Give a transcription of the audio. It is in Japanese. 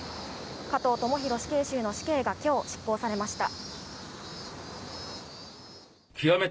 加藤智大死刑囚の死刑が今日、執行されました。